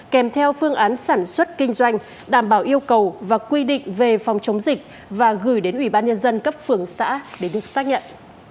kèm theo phương án sản xuất kinh doanh đảm bảo yêu cầu và quy định về phòng chống dịch và gửi đến ubnd cấp phường xã để được xác nhận